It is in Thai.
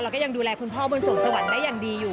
แล้วก็ยังดูแลคุณพ่อบนสู่สวรรค์ได้อย่างดีอยู่